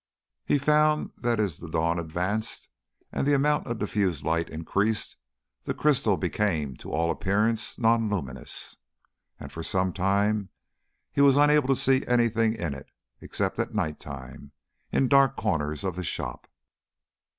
He found that as the dawn advanced, and the amount of diffused light increased, the crystal became to all appearance non luminous. And for some time he was unable to see anything in it, except at night time, in dark corners of the shop.